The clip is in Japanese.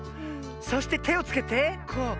そしててをつけてこう。